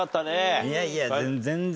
いやいや全然。